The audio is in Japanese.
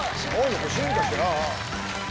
進化したな。